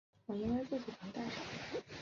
更壮大的实力